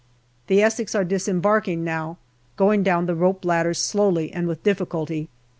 The Essex are disembarking now, going down the rope ladders slowly and with difficulty.